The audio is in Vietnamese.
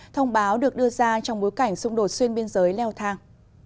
thông báo được đưa ra trong bối cảnh xung đột xuyên biên giới leo thang